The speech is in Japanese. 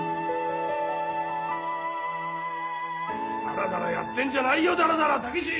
だらだらやってんじゃないよだらだら武！